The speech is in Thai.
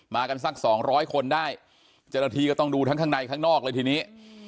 กันสักสองร้อยคนได้เจ้าหน้าที่ก็ต้องดูทั้งข้างในข้างนอกเลยทีนี้